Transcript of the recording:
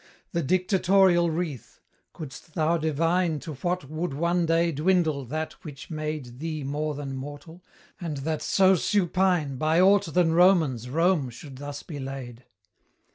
The dictatorial wreath, couldst thou divine To what would one day dwindle that which made Thee more than mortal? and that so supine By aught than Romans Rome should thus be laid?